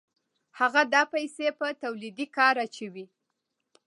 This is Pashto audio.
هغه دا پیسې په تولیدي کار اچوي